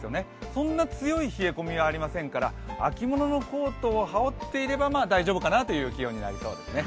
そんな強い冷え込みはありませんから秋物のコートを羽織っていれば大丈夫かなという気温になりそうですね。